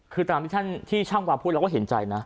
คือตามที่ท่านที่ช่างวาพูดเราก็เห็นใจนะ